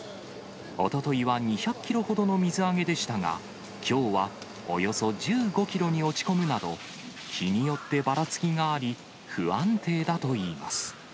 おとといは２００キロほどの水揚げでしたが、きょうはおよそ１５キロに落ち込むなど、日によってばらつきがあり、不安定だといいます。